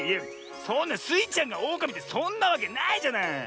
そんなスイちゃんがオオカミってそんなわけないじゃない！